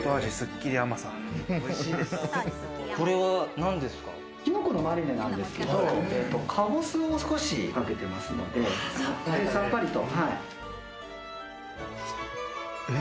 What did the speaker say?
キノコのマリネなんですけど、カボスを少しかけてますので、さっぱりと。